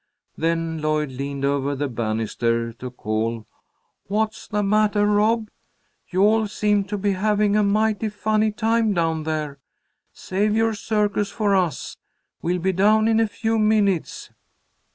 Then Lloyd leaned over the banister to call: "What's the mattah, Rob? You all seem to be having a mighty funny time down there. Save your circus for us. We'll be down in a few minutes."